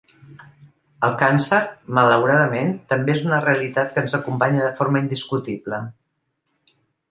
El càncer, malauradament, també és una realitat que ens acompanya de forma indiscutible.